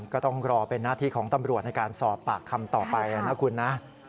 ก็ต้องรอเป็นหน้าที่ของตำรวจในการสอบปากคำต่อไปนะคุณนะ